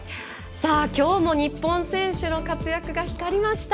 きょうも日本選手の活躍が光りました。